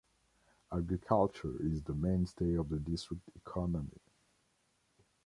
Agriculture is the mainstay of the district economy.